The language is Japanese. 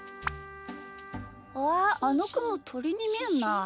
ああのくもとりにみえるな。